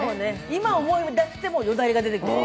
今、思い出してもよだれが出てくる。